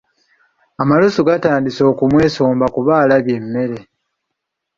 Amalusu gatandise okumwesomba kuba alabye emmere.